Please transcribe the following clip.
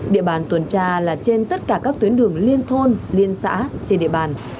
địa bàn tuần tra là trên tất cả các tuyến đường liên thôn liên xã trên địa bàn